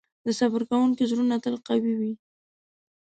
د صبر کوونکي زړونه تل قوي وي.